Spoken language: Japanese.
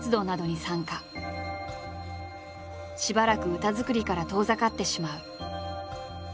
しばらく歌作りから遠ざかってしまう。